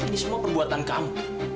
ini semua perbuatan kamu